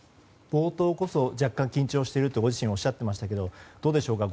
冒頭こそ若干、緊張しているとご自身、おっしゃっていましたがどうですか？